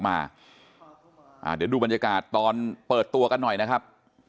เดี๋ยวดูบรรยากาศตอนเปิดตัวกันหน่อยนะครับ